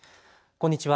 こんにちは。